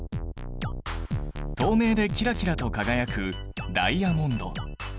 透明でキラキラと輝くダイヤモンド。